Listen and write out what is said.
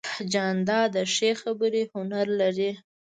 جانداد د ښې خبرې هنر لري.